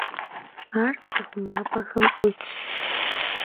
Ar psı xhumap'exem yitş.